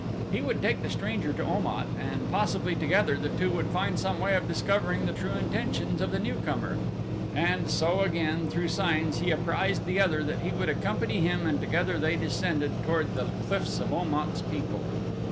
He would take the stranger to Om at and possibly together the two would find some way of discovering the true intentions of the newcomer. And so again through signs he apprised the other that he would accompany him and together they descended toward the cliffs of Om at's people.